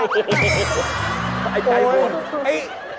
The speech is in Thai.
ไอ้ใจพูด